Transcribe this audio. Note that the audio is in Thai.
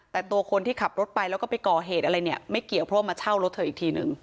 แต่ตัวคนที่ขับรถไปแล้วก็ไปก่อเหตุอะไรเนี่ยไม่เกี่ยวเพราะว่ามาเช่ารถเธออีกทีหนึ่ง